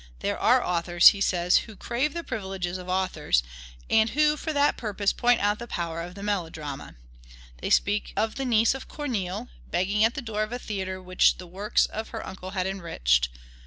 "There are authors," he says, "who crave the privileges of authors, and who for that purpose point out the power of the melodrama. They speak of the niece of Corneille, begging at the door of a theatre which the works of her uncle had enriched....